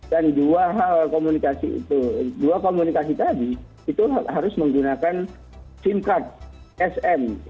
dan dua komunikasi tadi itu harus menggunakan sim card sm